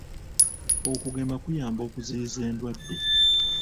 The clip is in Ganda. Okugema kuyamba okuziyiza endwadde.